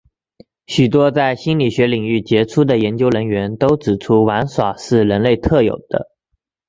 许多在心理学领域杰出的研究人员都指出玩耍是人类特有的。